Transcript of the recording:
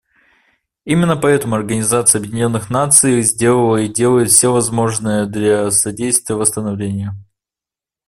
Именно поэтому Организация Объединенных Наций сделала и делает все возможное для содействия восстановлению.